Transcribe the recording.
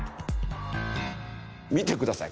見てください。